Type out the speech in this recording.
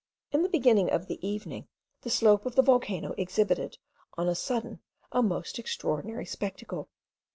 In the beginning of the evening the slope of the volcano exhibited on a sudden a most extraordinary spectacle.